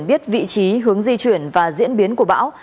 biết vị trí hướng di chuyển và diễn biến của bão